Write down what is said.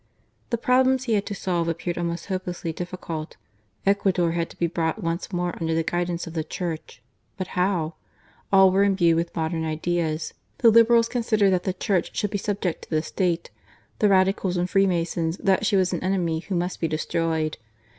The problems he had to solve appeared almost hopelessly difficult. Ecuador had to be brought once more under the guidance of the Church ; but how ? All were imbued with modem ideas ; the Liberals considered that the Church should be subject to the State ; the Radicals and Freemasons that she was an enemy who must be destroyed.